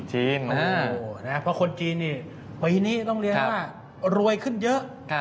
เพราะคนจีนปีนี้ต้องเรียกว่ารวยขึ้นเยอะ